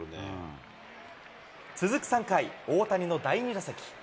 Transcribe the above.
続く３回、大谷の第２打席。